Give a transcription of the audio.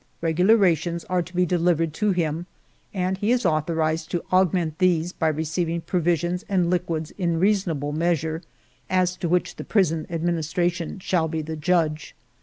Regular rations are to be delivered to him, and he is authorized to augment these by receiving provisions and liquids in reasonable measure, as to which the Prison Administration shall be the judge.